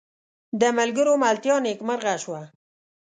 د ملګرو ملتیا نیکمرغه شوه.